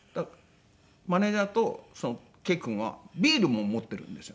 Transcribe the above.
マネジャーとＫ君はビールも持ってるんですよ。